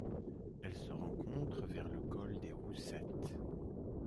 Elle se rencontre vers le col des Roussettes.